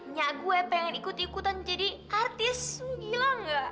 nyak gue pengen ikut ikutan jadi artis gila gak